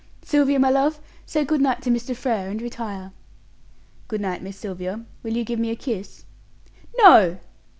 Sylvia, my love, say good night to Mr. Frere, and retire." "Good night, Miss Sylvia. Will you give me a kiss?" "No!"